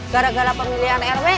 gara gara pemilihan rw